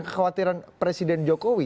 kekhawatiran presiden jokowi